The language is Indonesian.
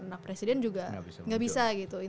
anak presiden juga nggak bisa gitu